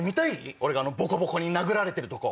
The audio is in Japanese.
俺がボコボコに殴られてるとこ。